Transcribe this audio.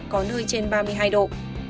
có nơi trên ba mươi hai độ